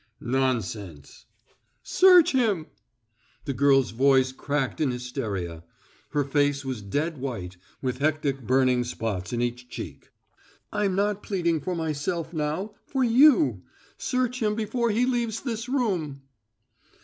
"Nonsense!" "Search him!" The girl's voice cracked in hysteria; her face was dead white, with hectic burning spots in each cheek. "I'm not pleading for myself now for you. Search him before he leaves this room!"